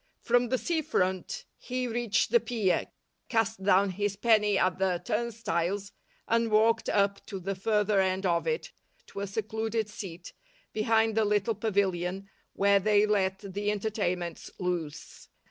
From the sea front he reached the pier, cast down his penny at the turnstiles, and walked up to the further end of it to a secluded seat behind the little pavilion where they let the entertainments loose.